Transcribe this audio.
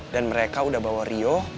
dan mereka udah bawa rio